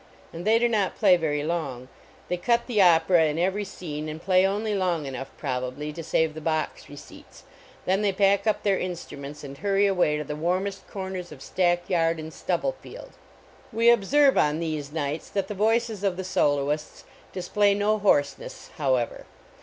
And they do not play very long; they cut the opera in every scene, and play only long enough, probably, to save the box receipts, then they pack up their instru ments and hurry away to the warmest cor ners of stack yard and stubble field. We observe on these nights that the voices of the soloists display no hoarseness, however.